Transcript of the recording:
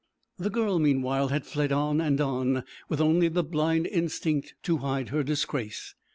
The girl meanwhile had fled on and on, with only the blind instinct to hide her disgrace.